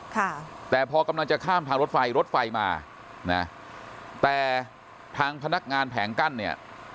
ค่ะแต่พอกำลังจะข้ามทางรถไฟรถไฟมานะแต่ทางพนักงานแผงกั้นเนี่ย